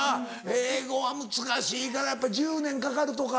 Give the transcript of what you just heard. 英語は難しいから１０年かかるとか。